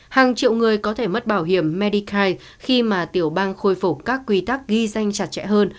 hàng triệu người có thể mất bảo hiểm medica khi mà tiểu bang khôi phục các quy tắc ghi danh chặt chẽ hơn